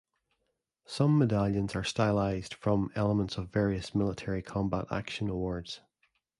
Some medallions are stylized from elements of various military combat action awards.